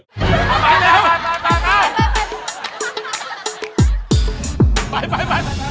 ไปไปไป